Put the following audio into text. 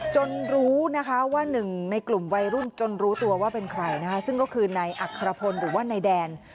จนรู้นะคะว่า๑ในกลุ่มวัยรุ่นจนรู้ตัวว่าเป็นใครซึ่งก็คือในอักษรพลหรือว่าในแดน